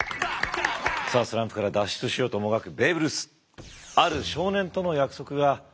さあスランプから脱出しようともがくベーブ・ルース！